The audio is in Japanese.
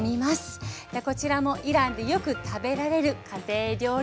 こちらもイランでよく食べられる家庭料理なんです。